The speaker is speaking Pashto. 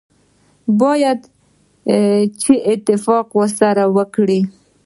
باید چې اتفاق سره وکړي.